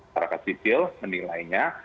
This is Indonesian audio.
pengaruh sivil menilainya